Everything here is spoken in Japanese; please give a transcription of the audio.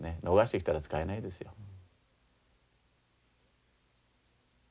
逃してきたら使えないですよ。